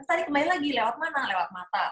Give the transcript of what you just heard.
tadi kembali lagi lewat mana lewat mata